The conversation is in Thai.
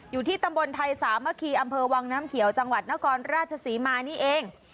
อยู่ที่ตำบลไทยสามะคีอำเภอวังน้ำเขียวจังหวัดนครราชศรีมานี่เอง